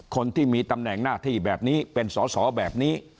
คนที่มีตำแหน่งหน้าที่แบบนี้เป็นสอสอแบบนี้